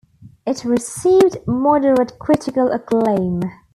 It received moderate critical acclaim.